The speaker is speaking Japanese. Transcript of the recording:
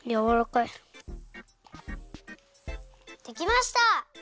できました！